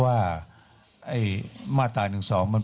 ขอบพระคุณนะครับ